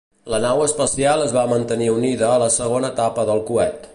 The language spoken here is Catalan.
La nau espacial es va mantenir unida a la segona etapa del coet.